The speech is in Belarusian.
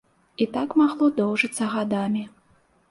І так магло доўжыцца гадамі.